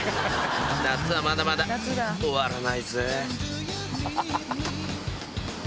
夏はまだまだ終わらないぜ！